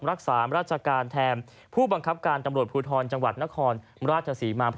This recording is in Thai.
รักษาราชการแทนผู้บังคับการตำรวจภูทรจังหวัดนครราชศรีมา